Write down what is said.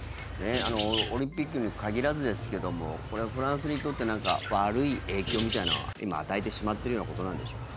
オリンピックに限らずですけどもこれはフランスにとってなんか悪い影響みたいなのは今、与えてしまってるようなことなんでしょうか。